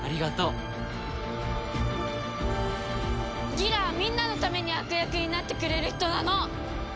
ギラはみんなのために悪役になってくれる人なの！